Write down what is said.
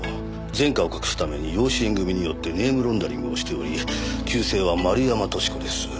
前科を隠すために養子縁組によってネームロンダリングをしており旧姓は丸山俊子です。